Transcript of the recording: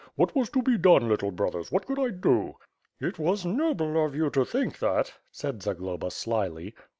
What was to be done, little brothers, what could I do?" "It was noble of you to think that," said Zagloba slyly.